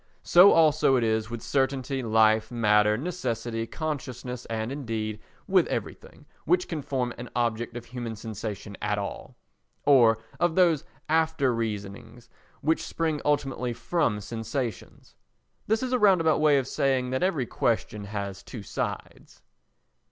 So also it is with certainty, life, matter, necessity, consciousness and, indeed, with everything which can form an object of human sensation at all, or of those after reasonings which spring ultimately from sensations. This is a round about way of saying that every question has two sides.